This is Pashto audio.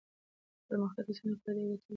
دا پرمختګ د رسنيو لپاره ډېر ګټور دی.